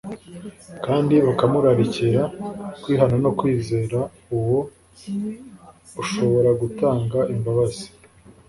kandi bakamurarikira kwihana no kwizera Uwo ushobora gutanga imbabazi.